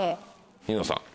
ニノさん。